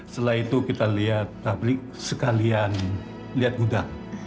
setelah itu kita lihat publik sekalian lihat gudang